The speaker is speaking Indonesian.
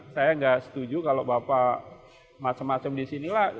saya nggak setuju kalau bapak macam macam di sini lah